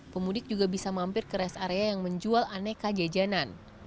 pemudik juga bisa mampir ke rest area yang menjual aneka jajanan